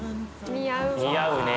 似合うね。